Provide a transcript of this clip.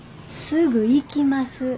すぐ行きます。